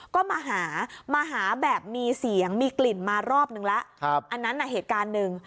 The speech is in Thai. ก็มาหามาหาแบบมีเสียงมีกลิ่นมารอบนึงแล้วอันนั้นน่ะเหตุการณ์หนึ่ง